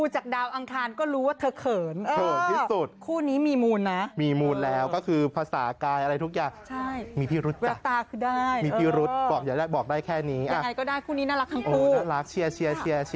หากอ้างคิดว่าพอซอยคอยได้